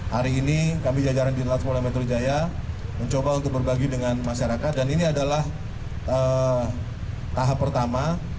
hari ini kami jajaran di lantas polda metro jaya mencoba untuk berbagi dengan masyarakat dan ini adalah tahap pertama